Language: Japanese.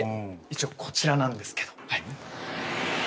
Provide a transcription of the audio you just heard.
一応こちらなんですけど。